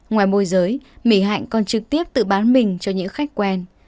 ngoài môi giới mỹ hạnh còn trực tiếp tự bán mình cho những khách quen